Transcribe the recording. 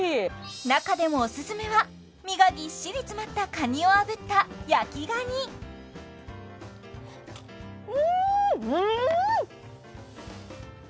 中でもオススメは身がぎっしり詰まったカニをあぶった焼きガニうん！